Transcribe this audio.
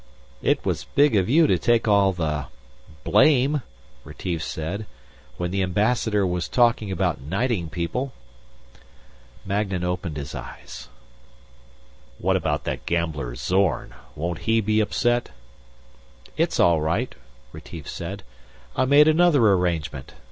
"It was big of you to take all the ... blame," Retief said, "when the Ambassador was talking about knighting people." Magnan opened his eyes. "What about that gambler, Zorn? Won't he be upset?" "It's all right," Retief said, "I made another arrangement.